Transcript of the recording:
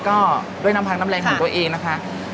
ก็ด้วยน้ำพักน้ำแรงของตัวเองนะคะ